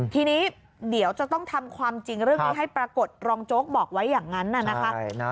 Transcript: ทีนี้เดี๋ยวจะต้องทำความจริงเรื่องนี้ให้ปรากฏรองโจ๊กบอกไว้อย่างนั้นนะคะ